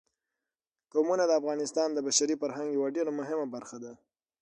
قومونه د افغانستان د بشري فرهنګ یوه ډېره مهمه برخه ده.